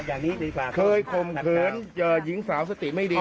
อย่างนี้ดีกว่าเคยคมขัดขืนเจอหญิงสาวสติไม่ดี